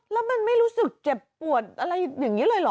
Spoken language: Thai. แล้วมันไม่รู้สึกเจ็บปวดอะไรอย่างนี้เลยเหรอ